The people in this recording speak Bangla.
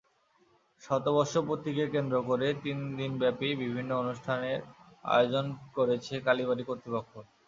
শতবর্ষ পূর্তিকে কেন্দ্র করে তিন দিনব্যাপী বিভিন্ন অনুষ্ঠানের আয়োজন করেছে কালীবাড়ি কর্তৃপক্ষ।